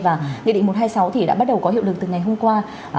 và nghị định một trăm hai mươi sáu thì đã bắt đầu có hiệu lực từ ngày hôm qua